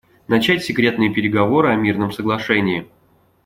Начать секретные переговоры о мирном соглашении.